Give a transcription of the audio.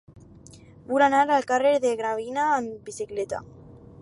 Vull anar al carrer de Gravina amb bicicleta.